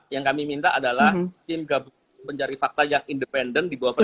yang kami minta adalah tim gabungan pencari fakta yang independen di bawah presiden